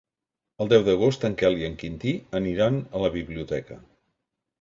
El deu d'agost en Quel i en Quintí aniran a la biblioteca.